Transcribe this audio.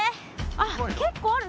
あっ結構あるね。